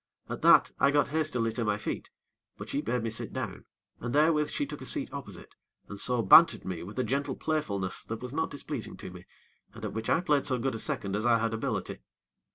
At that, I got hastily to my feet; but she bade me sit down, and therewith she took a seat opposite, and so bantered me with a gentle playfulness that was not displeasing to me, and at which I played so good a second as I had ability.